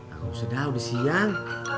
aku sedang di siang